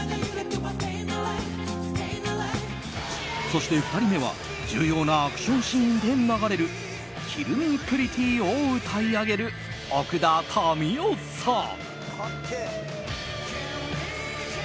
そして２人目は重要なアクションシーンで流れる「ＫｉｌｌＭｅＰｒｅｔｔｙ」を歌い上げる奥田民生さん。